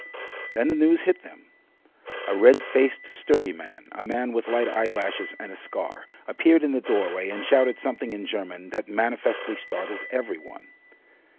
Then the news hit them. A red faced sturdy man, a man with light eyelashes and a scar, appeared in the doorway and shouted something in German that manifestly startled every one.